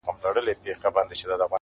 لکه چي مخکي وې هغسي خو جانانه نه يې.